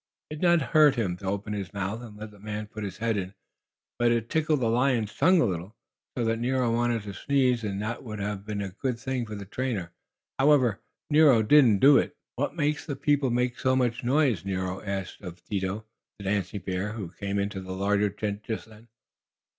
It did not hurt him to open his mouth and let the man put in his head, but it tickled the lion's tongue a little, so that Nero wanted to sneeze. And that wouldn't have been a good thing for the trainer. However Nero didn't do it. "What makes the people make so much noise?" asked Nero of Dido, the dancing bear, who came into the larger tent just then.